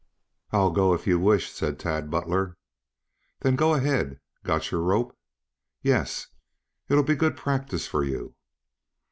"I'll go, if you wish," said Tad Butler. "Then go ahead. Got your rope?" "Yes." "It'll be good practice for you."